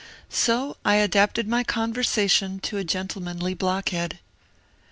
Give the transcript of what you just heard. ^* So I adapted my conversation to a gentlemanly 1 blockhead."